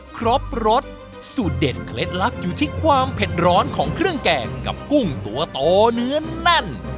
ครบรสสูตรเด็ดเคล็ดลับอยู่ที่ความเผ็ดร้อนของเครื่องแกงกับกุ้งตัวโตเนื้อแน่น